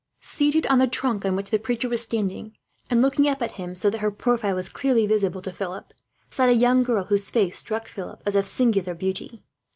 Seated on the trunk on which the preacher was standing, and looking up at him so that her profile was clearly visible to Philip, sat a young girl, whose face struck Philip as of singular beauty.